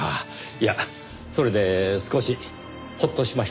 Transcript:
いやそれで少しほっとしました。